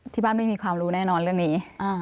ที่บ้านไม่มีความรู้แน่นอนเรื่องนี้